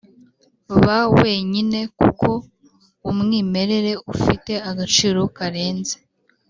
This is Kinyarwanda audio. ba wenyine kuko umwimerere ufite agaciro karenze